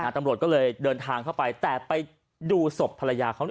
ตำรวจก็เลยเดินทางเข้าไปแต่ไปดูศพภรรยาเขาหน่อย